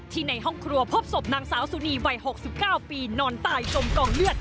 ในห้องครัวพบศพนางสาวสุนีวัย๖๙ปีนอนตายจมกองเลือด